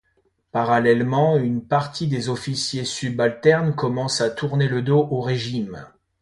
Parallèlement, une partie des officiers subalternes commence à tourner le dos au régime.